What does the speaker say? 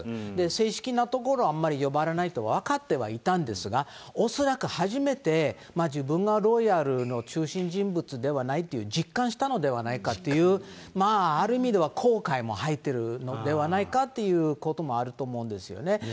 正式な所はあんまり呼ばれないと分かってはいたんですが、恐らく初めて、自分がロイヤルの中心人物ではないと実感したのではないかという、ある意味では、後悔も入っているのではないかということもあると思うんですよね。